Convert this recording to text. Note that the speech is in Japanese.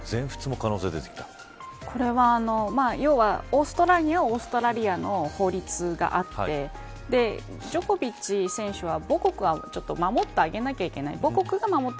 これは要はオーストラリアはオーストラリアの法律があってジョコビッチ選手は、母国が守ってあげなきゃいけない。